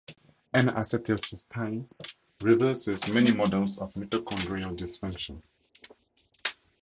N-acetyl cysteine reverses many models of mitochondrial dysfunction.